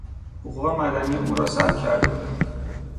حقوق مدنی او را سلب کرده بودند.